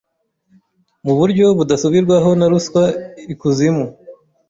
muburyo budasubirwaho na ruswa ikuzimu